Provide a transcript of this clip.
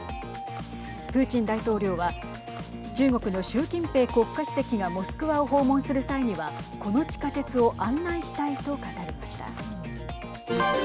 プーチン大統領は中国の習近平国家主席がモスクワを訪問する際にはこの地下鉄を案内したいと語りました。